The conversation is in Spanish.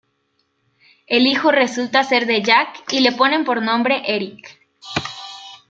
El hijo resulta ser de Jack y le ponen por nombre Erik.